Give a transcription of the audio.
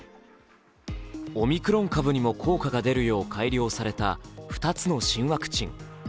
オミクロン株にも効果が出るよう改良された２つの新ワクチン。